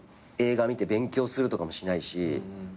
映画見て勉強するとかもしないし。